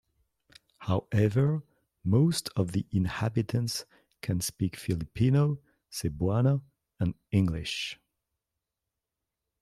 However, most of the inhabitants can speak Filipino, Cebuana, and English.